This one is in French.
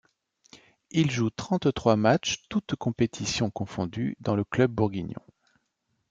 Il joue trente-trois matchs toutes compétitions confondus dans le club bourguignons.